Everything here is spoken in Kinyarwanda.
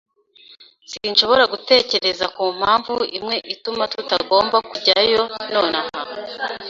Sinshobora gutekereza kumpamvu imwe ituma tutagomba kujyayo nonaha.